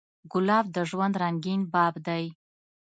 ګلاب د ژوند رنګین باب دی.